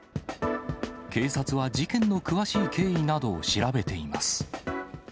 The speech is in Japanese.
警察は事件の詳しい経緯などを調べています。